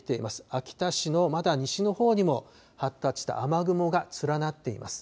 秋田市のまだ西のほうにも発達した雨雲が連なっています。